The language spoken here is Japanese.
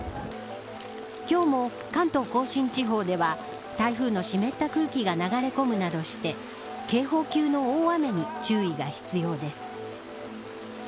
今日も関東甲信地方では台風の湿った空気が流れ込むなどして警報級の大雨に注意が必要です。